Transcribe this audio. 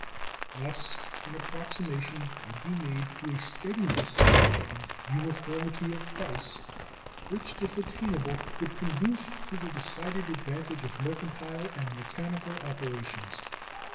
Thus an approximation would be made to a steadiness and uniformity of price, which if attainable would conduce to the decided advantage of mercantile and mechanical operations.